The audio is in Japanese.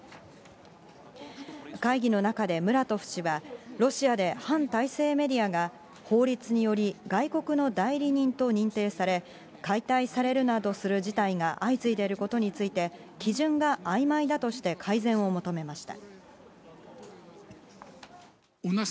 会議の中でムラトフ氏は、ロシアで反体制メディアが法律により、外国の代理人と認定され、解体されるなどする事態が相次いでいることについて、基準があいまいだとして改善を求めました。